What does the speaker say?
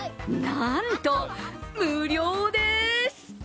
なんと無料です！